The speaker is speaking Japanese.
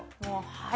「はい」